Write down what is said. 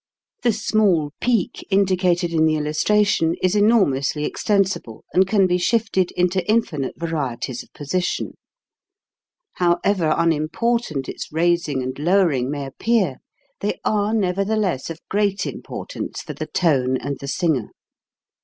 The small peak indicated in the illustra tion is enormously extensible and can be shifted into infinite varieties of position. However unimportant its raising and lowering may appear, they are nevertheless of great impor tance for the tone and the singer.